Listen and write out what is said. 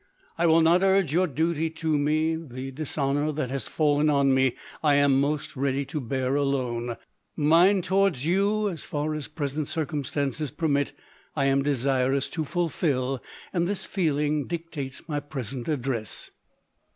I will not urge your duty to me; the dishonour that lias fallen on me I am most ready to bear alone ; mine towards you, as far as present circumstances permit, I am desirous to fulfil, and this feeling dictates my present address.